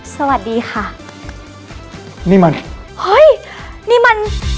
สวัสดีค่ะ